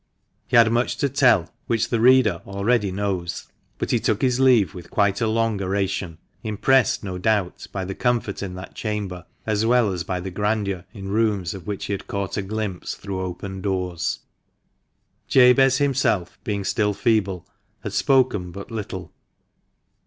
He had much to tell which the reader already knows, but he took his leave with quite a long oration, impressed no doubt by the comfort in that chamber, as well as by the grandeur in rooms of which he had caught a glimpse through open doors. Jabez, himself, being still feeble, had spoken but little.